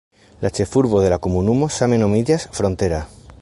La ĉefurbo de la komunumo same nomiĝas "Frontera".